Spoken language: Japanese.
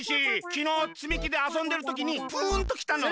きのうつみきであそんでるときにプーンときたの。